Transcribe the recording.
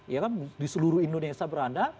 ya kan di seluruh indonesia berada